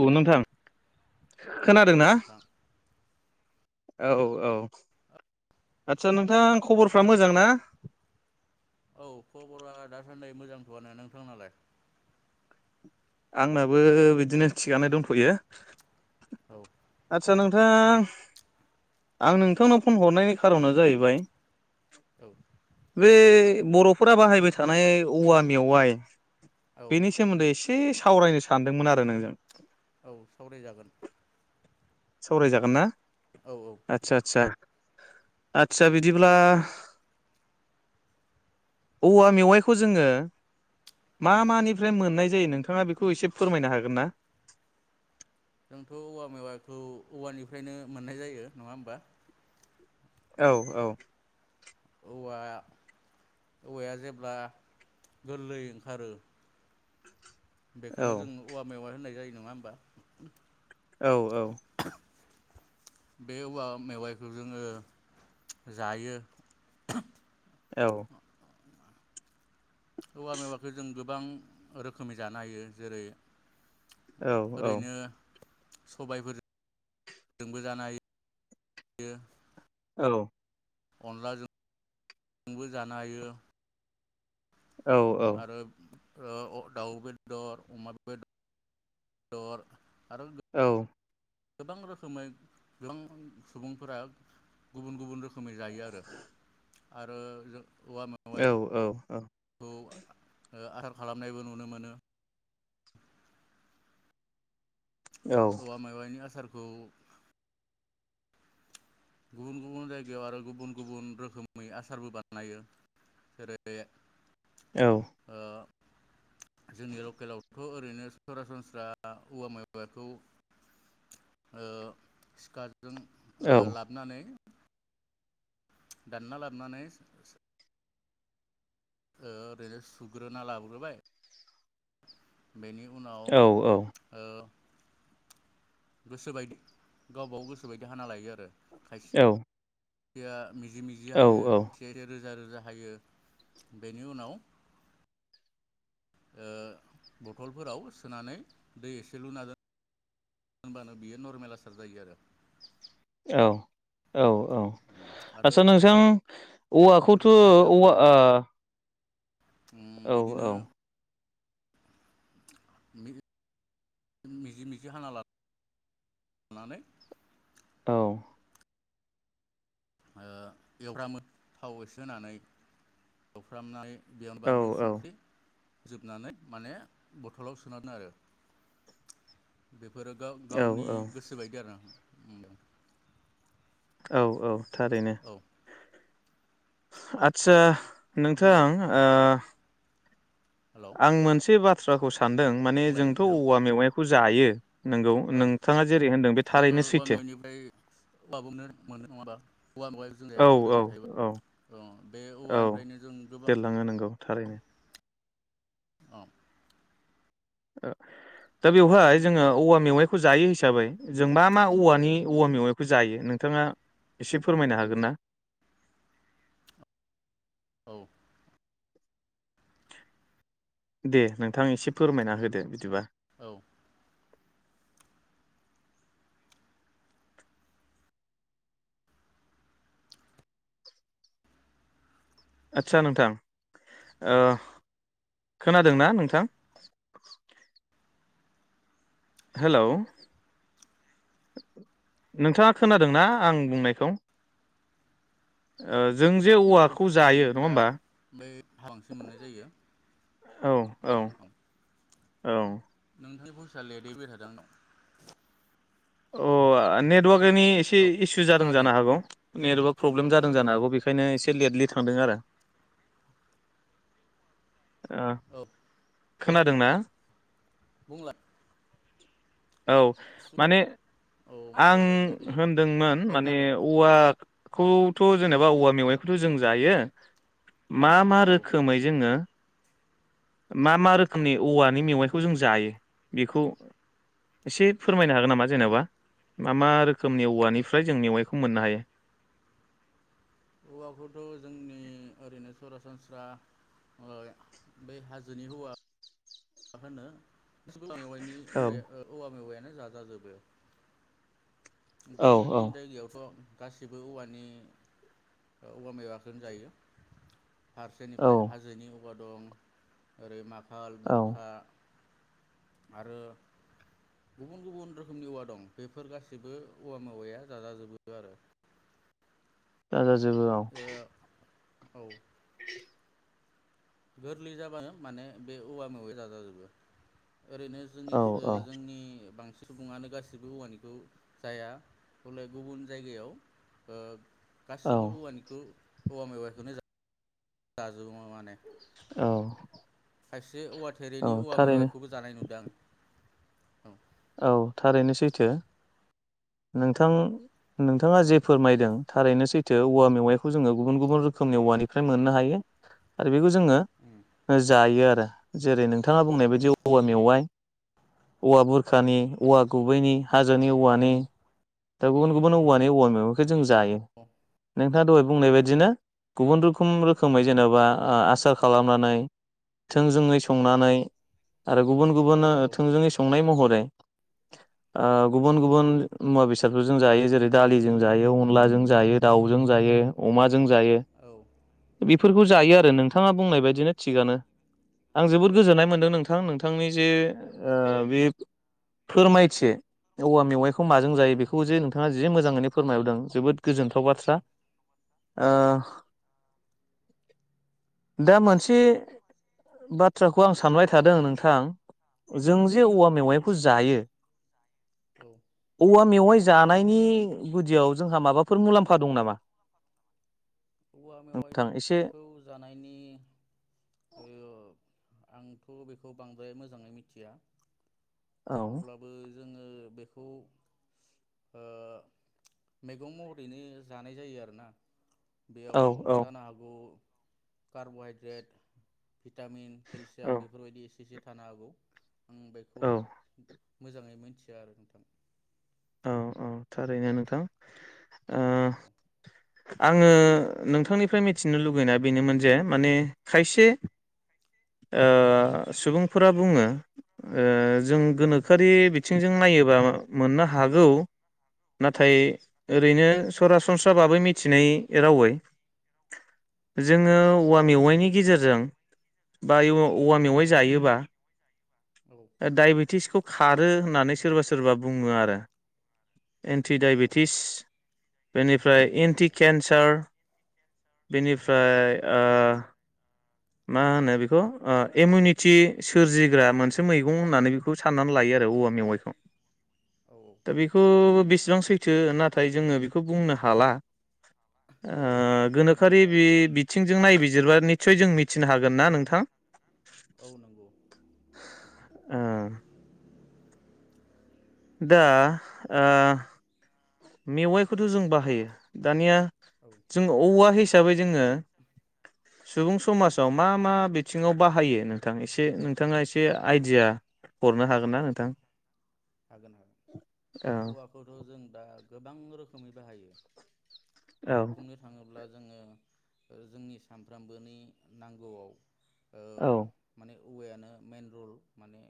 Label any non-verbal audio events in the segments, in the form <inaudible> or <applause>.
औ नोंथां। औ खोनादों ना? नोंथां औ औ। आतसा नोंथां खबरफ्रा मोजां ना? औ खबरा दासान्दि मोजांथवानो। नोंथांनालाय? आंनाबो बिदिनो थिगानो दंथयो। औ आतसा नों थां, आं नोंथांनाव फन हरनायनि खारना जाहैबाय औ बे बरफोरा बाहायबाय थानाय औवा मेवाइ औ बेनि सोमोन्दै एसे सावरायनो सानदोंमोन आरो नोंजों। औ सावरायजागोन। सावरायजागोन ना? औ औ आतसा आतसा। आतसा बिदिब्ला औवा मेवाइखौ जोङो मा उम मानिफ्राय मोननाय जायो नोंथाङा बेखौ एसे फोरमायनो हागोन ना? जोंथ औवा मेवाखौ औवानिफ्रायनो मोननाय जायो नङा होमबा? औ औ। औवा औवाया जेब्ला गोरलै ओंखारो औ बेखौनो जों औवा मेवा होननाय जायो। नङा होमबा। औ औ बे औवा मेवाइखौ जोङो जायो। औ औवा मेवाखौ जों गोबां रोखोमनि जानो हायो जेरै औ औ ओरैनो सबायफोरजोंबो जानो हायो। औ। अनलाजों बो जानो हायो। औ आरो। दाउ बेदर अमा बेदर। आरो औ। गोबां रोखोमै गोबां सुबुंफोरा गुबुन गुबुन रोखोम। रखोमै जायो आरो‌ आरो जों। औ औ औ। आर खालामनायबो नुनो मोनो। औवा मेवायनि आसार। औ। गुबुन गुबुन जायगायाव आरो गुबुन गुबुन रोखोमै आसारबो बानायो जेरै ओ। जोंनि लकेलाव खौ ओरैनो सरासनस्रा औवा माखौ। जों ला। होननानै दानना लाबनानै ओरैनो सुग्रोना लाग्रोबाय बेनि उनाव औ-औ-औ-औ-औ-औ-औ-औ-औ-औ-औ गोसोबायदि गावबाव गोसोबायदि हाना लायो आरो। औ। खायसेया <unintelligible> मिजि मिजि हायो खायसे रोजा रोजा रोजा हायो बेनि उनाव बथलफोराव सोनानै दै एसे लुना दोन होनबानो बियो नरमेल आसार जायो आरो। औ औ। औ उम आरो आचसा खायसे नोंथां औवाखौथ औवा ओ ओम बिदिनो मिजि मिजि मिजि हाना ला नानै औ। ओ एवफ्रामो थाव एसे होनानै एवफ्रामनानै बेयावनो बानलु औ-औ-औ-औ-औ-औ-औ-औ संख्रि- जोबनानै माने बथलाव सोना दोनो आरो बे फोरो गाव-गावनि गोसोबायदि आरो उम। औ औ। थारैनो। आतसा नोंथां ओ हेलौ आं मोनसे बा थ्राखौसो सानदों माने बुंलाय जोंथ नोंथां औवा मेवाइखौ जायो नोंगौ औ नोंथाङा जेरै होनदों बे जोङो थारैनो औवा सैथो मेवाइनिफ्राय औवा मोनो नङा होनबा औवा मेवाया जों जायालासिनो दोनबाय थायोबा औ-औ-औ-औ औ बे औवानिफ्रायनो जों गोबां देरलाङो नोंगौ थारैनो। औ। ओ दा बेवहाय जोङो औवा मेवाइखौ जायो हिसाबै जों मा मा औवानि औवा मेवाइखौ जायो नोंथाङा एसे फोरमायनो हागोन ना? औ दे नोंथां एसे फोरमायना होदो बिदिबा। औ। आचसा नोंथां ओ खोनादोंना नोंथां? हेलौ नोंथाङा खोनादोंना आं बुंनायखौ? ओ जों जे औवा जोंनावथ दा बै हांसो मोन्नाय जायो। औ औ। नोंथांनि भयसा लेदयै फैबाय थादों आंनाव। अ आ नेटवार्कनि एसे औ इसु जादों खोनादों जानो हागौ नेटवार्क औ प्रब्लेम जादों खोनादों जानो ना हागौ बेखायनो एसे लेटलि थांदों आरो ओ। औ खोनादों ना? बुंलाय। औ माने औ माथोआ आं बिराद लेट फैदों होन्दोंमोन औ माने खोनादों औवा बेखौथ जेनेबा औवा मेवाइखौथ जों जायो। मा मा औ रोखोमै जोङो मा मा रोखोमनि औवानि मेवाइखौ जों जायो बेखौ एसे फोरमायनो हागोन नामा जेनेबा मा मा रोखोमनि औवानिफ्राय जों मेवाइखौ मोन्नो हायो? औवाखौथ जोंनि ओरैनो सरासनस्रा ओ बै हाजोनि औवा मा होनो औवा मेवाइनि औ औवा ओ औवा मेवाइआ जाजाजोबो। औ गुबुन औ गुबुन जायगायावथ गासिबो औवानि औवा मेवाखौनो जायो। औ फारसेनिफ्राय हाजोनि औवा दं ओरै मा ल औ गुरखा आरो गुबुन गुबुन रोखोमनि औवा दं। बेफोर गासिबो औवा मेवाइया जाजाजोबो आरो। ओ <unintelligible> ओ औ। गोरलै जाबानो माने बे औवा मेवाइ जाजाजोबो। ओरैनो जोंनि औ औ जोंनि बांसिन सुबुङानो गाससिबो औवानिखौ जाया हले गुबुन जायगायाव ओ औ गासिबो औवानिखौ औवा मेवाइखौनो जा जाजोबोमोन औ। खायसे बे औवा औ थेरेनि औवा थारैनो मेवाइखौबो जानाय नुदों आं। औ। औ थारैनो सैथो। नोंथां नोंथाङा औ जि फोरमायदों थारैनो सैथो औवा मेवाइखौ जोङो गुबुन गुबुन रोखोमनि औवानिफ्राय मोननो हायो। आरो बे जोङो जायो आरो जेरै नोंथाङा बुंनाय बायदि औवा मेवाइ औवा बुर खानि औवा गुबैनि हाजोनि औवानि दा गुबुन गुबुन औवानि औ औवा मेवाइखौ जों जायो। नोंथाङा दहाय बुंनाय बायदिनो गुबुन रोखोम रोखोमै जेनेबा आसार खालामनानै थोंजोङै संनानै आरो गुबुन गुबुन थोंजोङै संनाय महर ओ गुबुन गुबुन मुवा बेसाद खौ जों जायो जेरै दालिजों जायो अनलाजों जायो दावजों जायो अमा जों जायो बेफोरखौ जायो आरो नोंथाङा बुंनाय बदिनो थिगानो आं जबोर औ गोजोन्नाय मोनदों नोंथां नोंथांनि जे ओ बे फोरमायथि औवा‌ मेवाय खौ औ माजों जायो बेखो जे नोंथाङा जि मोजाङैनो फोरमायबोदों जोबोद गोजोन्थाव बाथ्रा ओ औ दा मोनसे बाथ्राखौ आं सानबाय थादों। नोंथां जों जे औवा मेवाय खौ जायो। औ औवा मेवाय जानायनि गुदियाव जोंहा माबाफोर मुलाम्फा दं नामा? औवा नोंथां एसे मेवाइखौ जानायनि ओ आंथ बेखौ बांद्राय मोजाङै मिथिया औ अब्लाबो जोङो बेखौ ओ मैगं महरैनो जानाय जायो आरोना बेयाव औ औ जानो हागौ कार्ब हाइड्रेट भिटामिन औ केलसियाम बेफोरबायदि से थानो हागौ आं बेखौ औ मोजाङै मिनथिया आरो नोंथां औ औ थारैनो नोंथां ओं औ आङो नोंथांनिफ्राय मिथिनो लुगैनाया बेनोमोन जे माने खायसे ओ सुबुंफोरा बुङो ओ जों गोनोखोआरि बिथिंजों नायोबा मोननो हागौ नाथाय औ ओरैनो सरासनस्राबाबो मिथिनाय रावै जोङो औवा मेवाइनि गेजेरजों बा औवा मेवाइ जायोबा औ डायबेटिसखौ खारो होननानै सोरबा सोरबा बुङो आरो औ एन्टिडायबेटिस बेनिफ्राय औ एन्टि केन्सार औ बेनिफ्राय ओ <inaudible> मा होनो बेखौ ओ इमिउनिटि सोरजिग्रा मोनसे मैगं होननानै बेखौ साननानै लायो आरो औवा मेवाइखौ। औ दा बेखौ बि बिसेबां सैथो नाथाय जोङो बेखौ बुंनो हाला औ आंबो बुंनो गोनोखोरि हाला बे बिथिंजों नायबिजिरबा <unintelligible> मि थिनो हागोना नोंथां? औ नंगौ ओ दा मेवाइखौथ जों बाहायो दानिया औ जोंङो औवा हिसाबै जोङो सुबुं समाजाव मा मा बिथिङाव बाहायो नोंथां एसे नोंथाङा एसे आइडिया हरनो हागोन ना नोंथां? हागोन हागोन औ हौवाखौथ जों दा गोबां रोखोमै बाहायो औ बुंनो थाङोब्ला जोङो ओ जोंनि सानफ्रोमबोनि नांगौआव ओ औ माने औवायानो मेन रल माने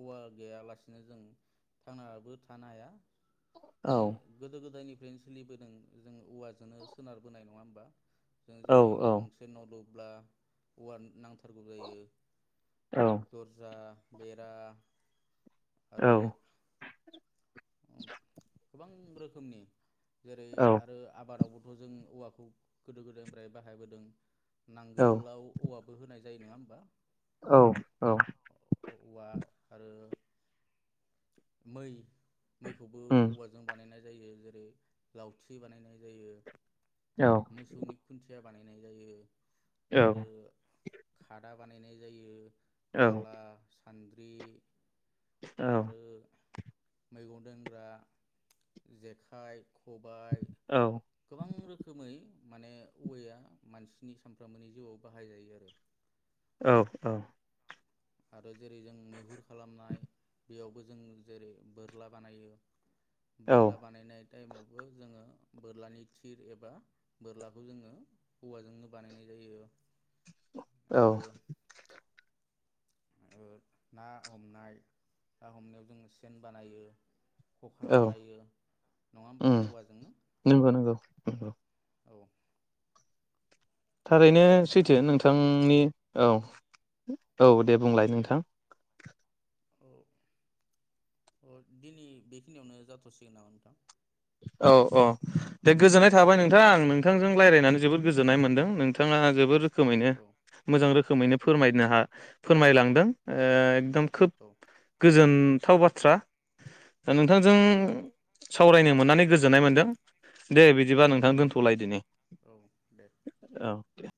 औवा गैयालासिनो जों थांनाबो थानो हाया औ माने गोदो गोदायनि सोलिबोदों जोङो औवाजोंनो सोनारबोनाय नङा होमबा? जों औ जेरै गंसे न' लु अब्ला औवा नांथारगौ जायो औ दर्जा बेरा आरो गोबां रोखोमनि जेरै औ आरो आबादआवबो जों औवाखौ गोदो गोदायनिफ्राय बाहायबोदों औ नांगोलाव औवाबो होनाय जायो नोङा ओमबा औ औ औवा आरो मै मैखौबो उम औवाजों बानायनाय जायो जेरै लावथि बानायनाय जायो औ मोसौनि खुन्थिया बानायनाय जायो। आरो औ दा बानायनाय जायो औ दाला सानद्रि औ आरो मैगं दोनग्रा, जेखाइ खबाय औ गोबां रोखोमै माने औवाया मानसिनि सामफ्रामबोनि जिवाव बाहायजायो आरो। औ औ आरो जेरै जों मैहुर खालामनाय बेयावबो जों जेरै बोरला बानायो बोरला औ बानायनाय टाइमावबो जोङो बोरलानि थिर एबा बोरलाखौ जोङो औवाजोंनो बानायनाय जायो आरो औ ओ ना हमनाय ना हमनायाव जों सेन बानायो। खखा औ बानायो नङा होमबा उम औवाजोंनो। नंगौ नंगौ नंगौ औ थारैनो आरो सैथो नोंथां नोंथांनि औ औ दे बुंलाय नोंथां। औ अ दिनै बेखिनियावनो जाथसिगोन नामा नोंथां। औ औ दे गोजोननाय थाबाय नोंथां आं नोंथांजों रायज्लायनानै जोबोद गोजोननाय मोनदों नोंथाङा जोबोद रोखोमैनो मोजां रोखोम रोखोमैनो फोरायनो हा फोरमायलांदों ओ एकदम खोब औ गोज गोजोनथाव बाथ्रा। दा नोंथांजों औ सावरायनो मोननानै गोजोन्नाय मोन्दों। दे बिदिबा औ नोंथां गोजोन्थों दोनथलायदिनि औ दे औ दे।